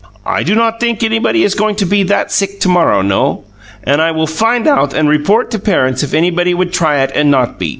"I do not think anybody is going to be that sick to morrow no; and I will find out and report to parents if anybody would try it and not be.